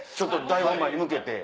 大本番に向けて。